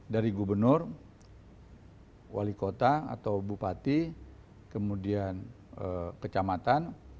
dari gubernur wali kota atau bupati kemudian kecamatan